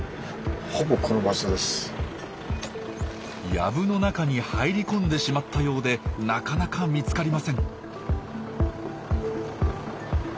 藪の中に入り込んでしまったようでなかなか見つかりません。